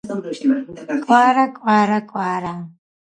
კვარა, კვარა, კვარა კვარა